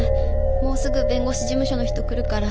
もうすぐ弁護士事務所の人来るから。